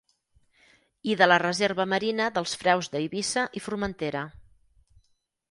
I de la Reserva Marina dels Freus d'Eivissa i Formentera.